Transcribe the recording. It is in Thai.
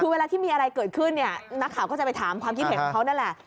คือเวลาที่มีอะไรเกิดขึ้นเนี่ยนักข่าวก็จะไปถามความคิดเห็นของเขานั่นแหละ